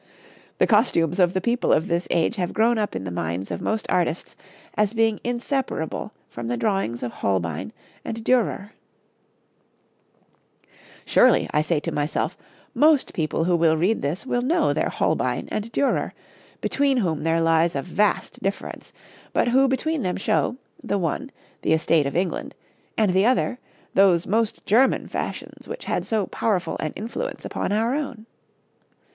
The costumes of the people of this age have grown up in the minds of most artists as being inseparable from the drawings of Holbein and Dürer. [Illustration: {Two women of the time of Henry VIII.}] Surely, I say to myself, most people who will read this will know their Holbein and Dürer, between whom there lies a vast difference, but who between them show, the one, the estate of England, and the other, those most German fashions which had so powerful an influence upon our own.